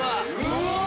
うわ！